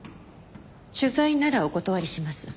取材ならお断りします。